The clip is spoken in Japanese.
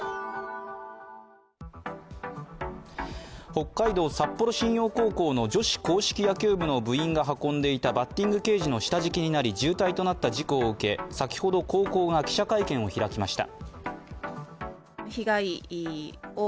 北海道・札幌新陽高校の女子硬式野球部の部員が運んでいたバッティングケージの下敷きになり重体となった事故を受け先ほど高校が記者会見を開きました。